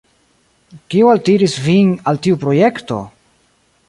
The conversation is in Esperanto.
Kio altiris vin al tiu projekto?